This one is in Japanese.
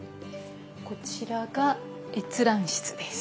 こちらが閲覧室です。